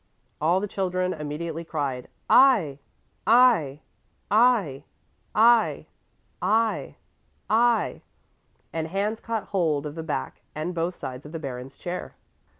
All the children immediately cried, "I," "I," "I," "I," "I," "I," and hands caught hold of the back and both sides of the Baron's chair.